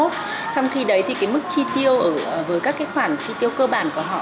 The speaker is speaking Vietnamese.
trong khi đấy mức tri tiêu với các khoản tri tiêu cơ bản của họ